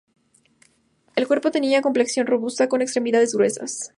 El cuerpo tenía complexión robusta, con extremidades gruesas.